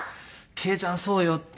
「惠ちゃんそうよ」って。